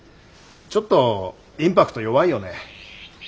ちょっとインパクト弱いよね。